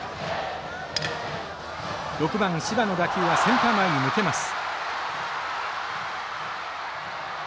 ６番柴の打球はセンター前に抜けます。